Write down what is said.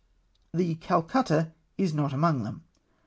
" The Calcutta* is not among them.